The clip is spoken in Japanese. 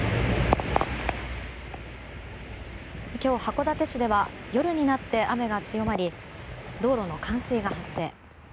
今日、函館市では夜になって雨が強まり道路の冠水が発生。